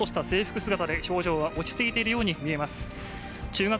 凛とした制服姿で表情は落ち着いているように見えます。